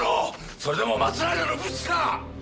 それでも松平の武士か！